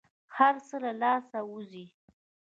هر څه له لاسه ووزي.